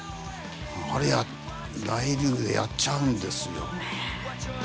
あれ大リーグでやっちゃうんですよ。